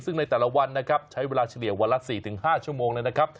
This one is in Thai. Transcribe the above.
ซึ่งในแต่ละวันนะครับใช้เวลาเฉลี่ยวันละ๔๕ชั่วโมงเลยนะครับ